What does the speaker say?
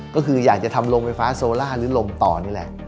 ก็คืออยากจะทำโรงไฟฟ้าโซล่าหรือลมต่อนี่แหละ